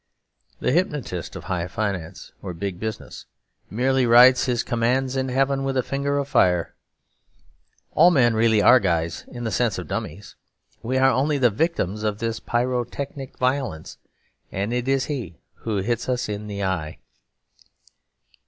The hypnotist of high finance or big business merely writes his commands in heaven with a finger of fire. All men really are guys, in the sense of dummies. We are only the victims of his pyrotechnic violence; and it is he who hits us in the eye.